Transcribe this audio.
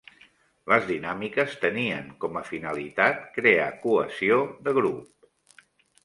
Les dinàmiques tenien com a finalitat crear cohesió de grup.